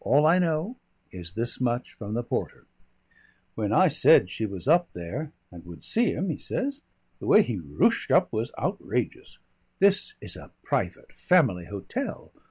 All I know, is this much from the porter: "When I said she was up there and would see him," he says, "the way he rooshed up was outrageous. This is a Private Family Hotel.